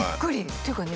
っていうかね